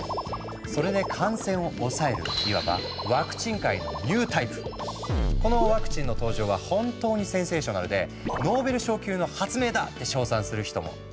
それで感染を抑えるいわばこのワクチンの登場は本当にセンセーショナルで「ノーベル賞級の発明だ！」って賞賛する人も。